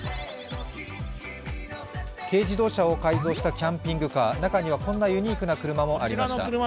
軽自動車を改造したキャンピングカー、中にはこんなユニークな車もありました。